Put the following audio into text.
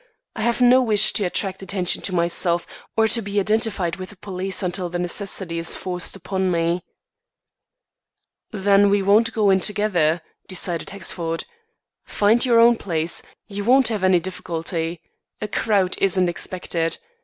I have no wish to attract attention to myself, or to be identified with the police until the necessity is forced upon me." "Then we won't go in together," decided Hexford. "Find your own place; you won't have any difficulty. A crowd isn't expected.